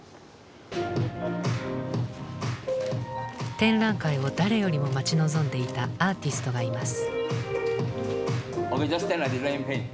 展覧会を誰よりも待ち望んでいたアーティストがいます。